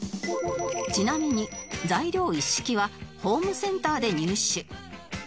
ちなみに材料一式はホームセンターで入手